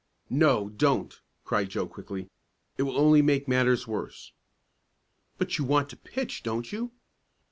"No, don't!" cried Joe quickly. "It will only make matters worse." "But you want to pitch; don't you?"